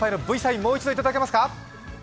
もう一度いただけますか？